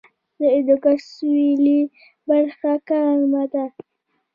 د هندوکش سویلي برخه ګرمه ده